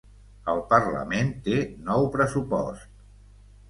El parlament té nou pressupost